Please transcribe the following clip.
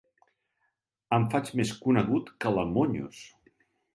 Em faig més conegut que la Monyos.